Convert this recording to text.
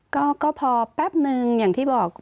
ก็พอแป๊บนึงอย่างที่บอก